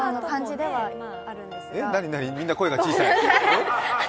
何、何、みんな声が小さい。